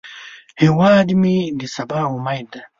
هیواد مې د سبا امید دی